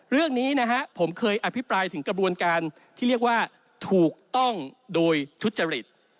เรื่องนี้นะฮะผมเคยอภิปรายถึงกระบวนการที่เรียกว่าถูกต้องโดยทุจริต